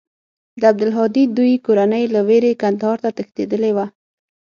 د عبدالهادي دوى کورنۍ له وېرې کندهار ته تښتېدلې وه.